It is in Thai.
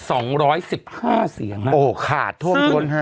โอ้โหขาดโทษมนตร์นะฮะ